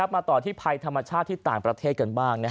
มาต่อที่ภัยธรรมชาติที่ต่างประเทศกันบ้าง